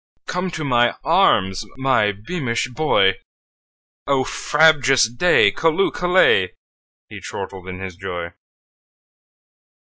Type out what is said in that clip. Come to my arms, my beamish boy!O frabjous day! Callooh! Callay!"He chortled in his joy.